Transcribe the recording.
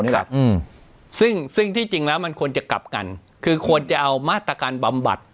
นี่แหละอืมซึ่งซึ่งที่จริงแล้วมันควรจะกลับกันคือควรจะเอามาตรการบำบัด